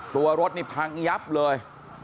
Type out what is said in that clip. ตัวรถนี่พังยับเลย